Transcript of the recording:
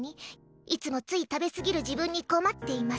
いつもつい食べ過ぎる自分に困っています。